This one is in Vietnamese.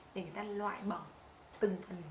để người ta loại bỏ từng phần